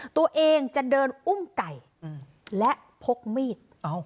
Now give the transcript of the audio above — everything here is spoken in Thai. ตัวเองจะเดินอุ้มไก่และพกมีด